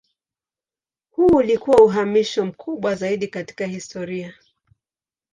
Huu ulikuwa uhamisho mkubwa zaidi katika historia.